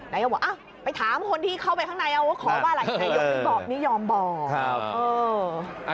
นายกบอกไปถามคนที่เข้าไปข้างนายกว่าขออะไรนายกบอกนี่ยอมบอก